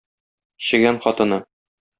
Чегән хатыны.